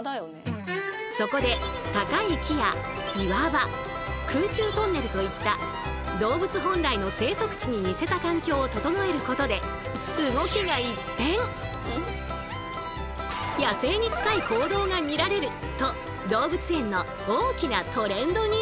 そこで高い木や岩場空中トンネルといった動物本来の生息地に似せた環境を整えることで野生に近い行動が見られると動物園の大きなトレンドに。